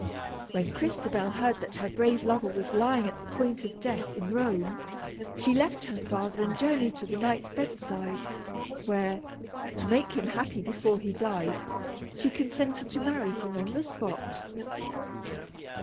When Crystabell heard that her brave lover was lying at the point of death in Rome, she left her father and journeyed to the knight's bedside, where, to make him happy before he died, she consented to marry him on the spot.